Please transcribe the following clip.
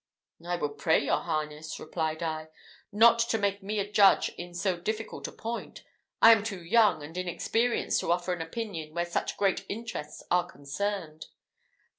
"I would pray your Highness," replied I, "not to make me a judge in so difficult a point; I am too young and inexperienced to offer an opinion where such great interests are concerned."